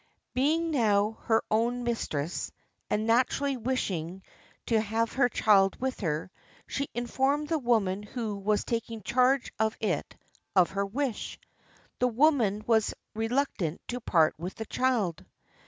Being now her own mistress, and naturally wishing to have her child with her, she informed the woman who was taking charge of it of her wish. The woman was re luctant to part with the child.